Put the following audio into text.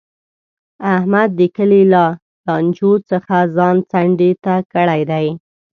احمد د کلي له لانجو څخه ځان څنډې ته کړی دی.